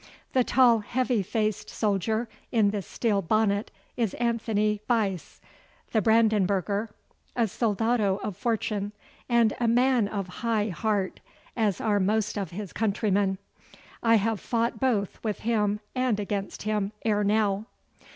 The tall heavy faced soldier in the steel bonnet is Anthony Buyse, the Brandenburger, a soldado of fortune, and a man of high heart, as are most of his countrymen. I have fought both with him and against him ere now.